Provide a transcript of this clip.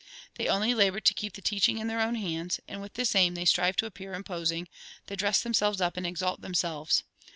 They only labour to keep the teaching in their own hands ; and with this ahn they strive to appear imposing; they dress themselves up and exalt themselves.